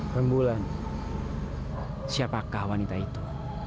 rembulan siapakah wanita itu